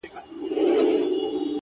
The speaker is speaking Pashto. بلا وهلی يم له سترگو نه چي اور غورځي _